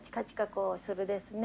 こうするですね。